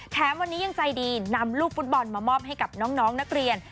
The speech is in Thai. แถมวันนี้ยังใจดีนำลูกฟุตบอลมามอบให้กับน้องนักเรียน